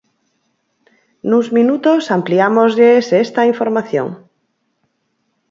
Nuns minutos ampliámoslles esta información.